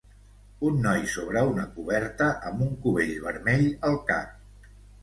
Un noi sobre una coberta amb un cubell vermell al cap.